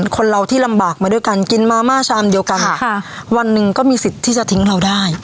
คนเราที่ลำบากมาด้วยกันกินมาม่าชามเดียวกันค่ะวันหนึ่งก็มีสิทธิ์ที่จะทิ้งเราได้